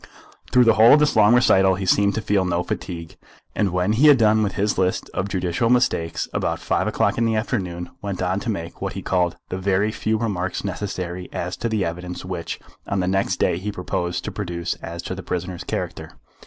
Through the whole of this long recital he seemed to feel no fatigue, and when he had done with his list of judicial mistakes about five o'clock in the afternoon, went on to make what he called the very few remarks necessary as to the evidence which on the next day he proposed to produce as to the prisoner's character.